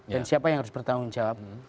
dan siapa yang harus bertanggung jawab